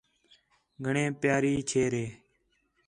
گھݨیں پیاری چھیر ہی